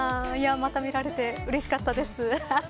また見られてうれしかったです。